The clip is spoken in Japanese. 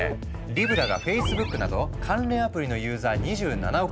リブラがフェイスブックなど関連アプリのユーザー２７億